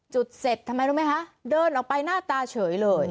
จุดเสร็จทำไมรู้ไหมคะเดินออกไปหน้าตาเฉยเลย